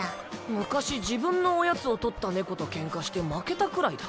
昔自分のおやつを盗った猫と喧嘩して負けたくらいだ。